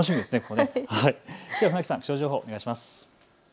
船木さん、気象情報、お願いします。